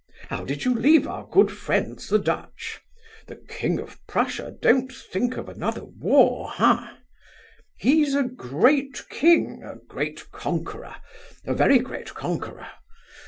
How did you leave our good friends the Dutch? The king of Prussia don't think of another war, ah? He's a great king! a great conqueror! a very great conqueror!